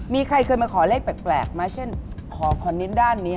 มีใครเคยมาขอเลขแปลกไหมเช่นขอคอนเน้นด้านนี้